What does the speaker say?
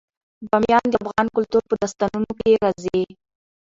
بامیان د افغان کلتور په داستانونو کې راځي.